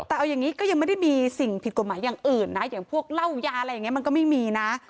แต่เอาอย่างนี้ก็ยังไม่ได้มีสิ่งผิดกฎหมายอย่างอื่นนะอย่างพวกเหล้ายาอะไรอย่างนี้มันก็ไม่มีนะ